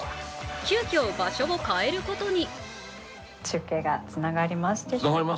急きょ、場所を変えることに。